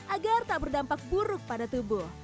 agar tak berdampak buruk pada tubuh